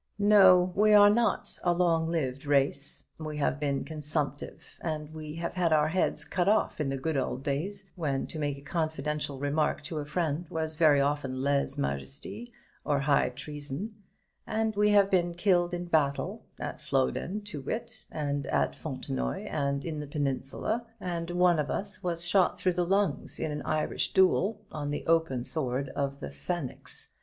"No; we are not a long lived race. We have been consumptive; and we have had our heads cut off in the good old days, when to make a confidential remark to a friend was very often leze majesty, or high treason; and we have been killed in battle, at Flodden, to wit, and at Fontenoy, and in the Peninsula; and one of us was shot through the lungs in an Irish duel, on the open sward of the 'Phaynix.'